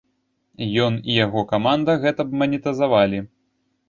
Ён і яго каманда гэта б манетызавалі.